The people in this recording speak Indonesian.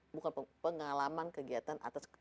bukan pengalaman kegiatan atas